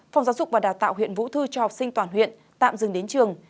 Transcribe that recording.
phòng giáo dục và đào tạo huyện vũ thư cho học sinh toàn huyện tạm dừng đến trường